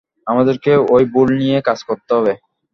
আমাদেরকে ওই বোল্ট নিয়ে কাজ করতে হবে।